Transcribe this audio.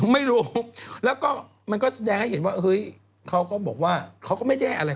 ไม่รู้แล้วก็มันก็แสดงให้เห็นว่าเฮ้ยเขาก็บอกว่าเขาก็ไม่ได้อะไร